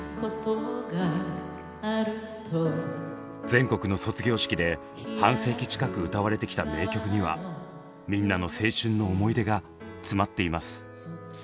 全国の卒業式で半世紀近く歌われてきた名曲にはみんなの青春の思い出が詰まっています。